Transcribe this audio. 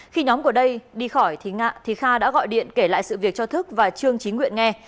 khi nhóm của đây đi khỏi thì kha đã gọi điện kể lại sự việc cho thức và trương chí nguyện nghe